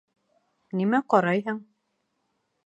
Нимә ҡарайһың?